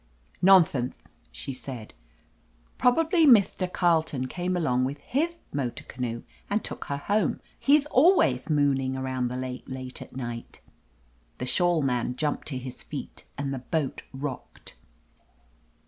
"Nonthenth !" she said. "Probably Mithther Carleton came along with hith motor canoe and took her home. He'th alwayth mooning around the lake late at night." The Shawl Man jumped to his feet and the boat rocked.